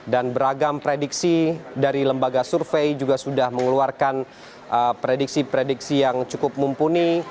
dan beragam prediksi dari lembaga survei juga sudah mengeluarkan prediksi prediksi yang cukup mumpuni